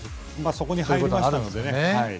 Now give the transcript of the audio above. そこに入りましたので。